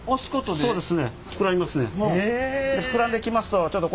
そうですね。